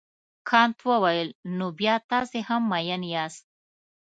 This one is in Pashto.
کانت وویل نو بیا تاسي هم مین یاست.